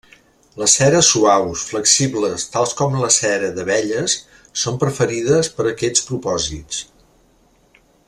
Les ceres suaus, flexibles tals com la cera d'abelles són preferides per a aquests propòsits.